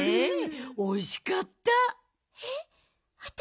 おいしかった。